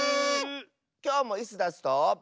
きょうもイスダスと。